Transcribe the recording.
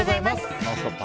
「ノンストップ！」